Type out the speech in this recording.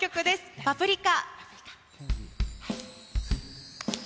パプリカ。